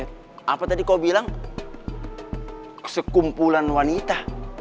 apa tadi kau bilang sekumpulan wanita